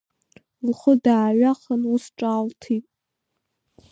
Лхы дааҩахан ус ҿаалҭит…